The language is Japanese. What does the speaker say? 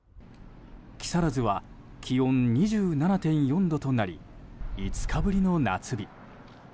木更津は気温２７．４度となり５日ぶりの夏日。